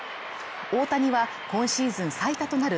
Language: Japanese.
大谷は今シーズン最多となる